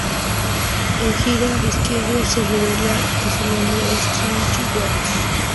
En "Gira a la izquierda" se revela que su nombre es Trinity Wells.